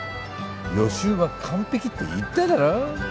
予習は完璧って言っただろ？